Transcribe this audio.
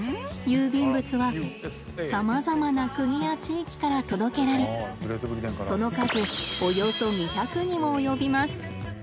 郵便物はさまざまな国や地域から届けられその数およそ２００にも及びます。